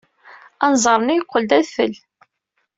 Anẓar-nni yeqqel d adfel.